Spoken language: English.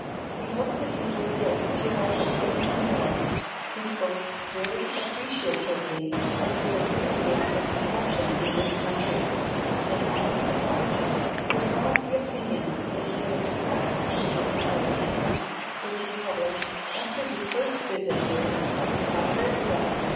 We hope that he will live to write a great many more. He spoke very appreciatively of his enthusiastic reception in this country and almost apologized for some of the opinions that he had expressed in his "American Notes," which he published, after his first visit here, twenty five years ago.